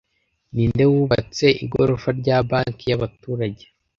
Ninde wubatse igorofa rya banki y'abaturage